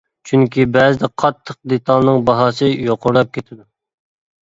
چۈنكى بەزىدە قاتتىق دېتالنىڭ باھاسى يۇقىرىلاپ كېتىدۇ.